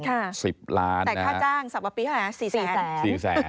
ค่ะ๑๐ล้านนะครับแต่ค่าจ้างสัปปีอะไรนะ